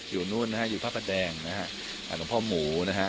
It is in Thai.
อยู่นู้นนะฮะอยู่พระประแดงนะฮะหลวงพ่อหมูนะฮะ